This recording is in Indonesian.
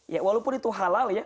ya walaupun itu halal ya